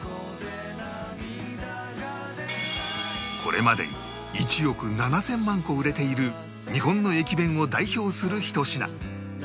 これまでに１億７０００万個売れている日本の駅弁を代表するひと品